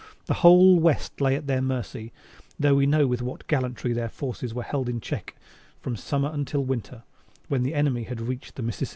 The whole West lay at their mercy, though we know with what gallantry their forces were held in check from summer until winter, when the enemy had reached the Mississippi.